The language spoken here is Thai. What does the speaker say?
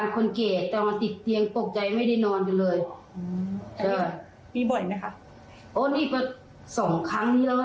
โอคือนอนไปตีสองค่ะ